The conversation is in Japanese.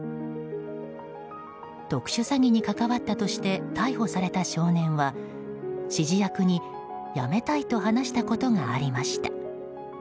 特殊詐欺に関わったとして逮捕された少年は指示役に辞めたいと話したことがありました。